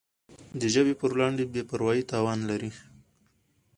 د ژبي پر وړاندي بي پروایي تاوان لري.